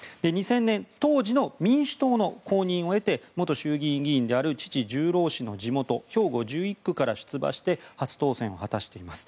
２０００年、当時の民主党の公認を経て元衆議院議員である父・十郎氏の地元兵庫１１区から出馬して初当選を果たしています。